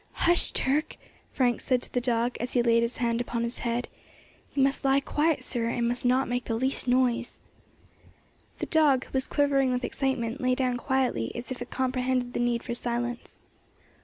"Hush! Turk," Frank said to the dog, as he laid his hand upon it's head. "You must lie quiet, sir, and not make the least noise." The dog, who was quivering with excitement, lay down quietly, as if it comprehended the need for silence.